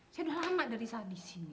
saya udah lama dari saya disini